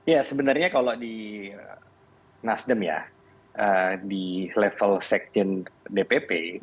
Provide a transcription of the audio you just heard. ya sebenarnya kalau di nasdem ya di level sekjen dpp